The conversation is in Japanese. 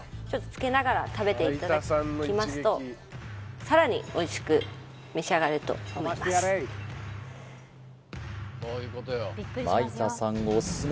ちょっとつけながら食べていただきますとさらにおいしく召し上がれると思います